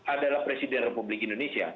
adalah presiden republik indonesia